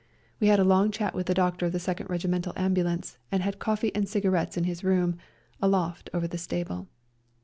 We had a long chat with the doctor of the Second Regimental ambulance, and had coffee and cigarettes in his room — a loft over the stable.